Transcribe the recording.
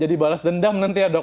jadi balas dendam nanti ya dok